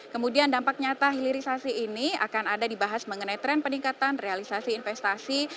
kemudian dampak nyata hilirisasi ini akan ada dibahas mengenai tren peningkatan realisasi investasi